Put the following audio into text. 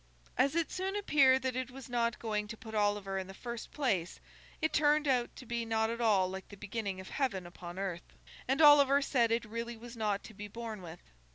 As it soon appeared that it was not going to put Oliver in the first place, it turned out to be not at all like the beginning of heaven upon earth, and Oliver said it really was not to be borne with.